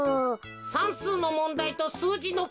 さんすうのもんだいとすうじのかぎ。